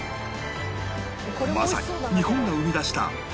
まさに日本が生み出した芸術的丼